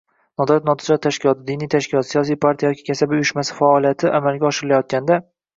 nodavlat notijorat tashkiloti, diniy tashkilot, siyosiy partiya yoki kasaba uyushmasi faoliyati amalga oshirilayotganda